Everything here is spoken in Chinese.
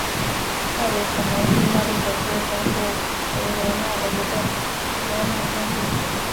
盖维拱门是意大利北部城市维罗纳的一座古罗马建筑。